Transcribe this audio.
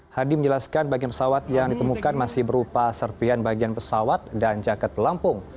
hadi menjelaskan bagian pesawat yang ditemukan masih berupa serpian bagian pesawat dan jaket pelampung